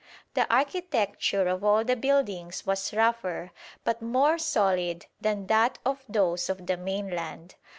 The architecture of all the buildings was rougher but more solid than that of those of the mainland.